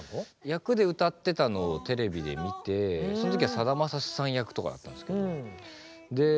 役で歌ってたのをテレビで見てその時はさだまさしさん役とかだったんですけど。